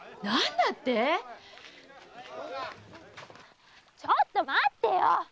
何だって⁉ちょっと待ってよ！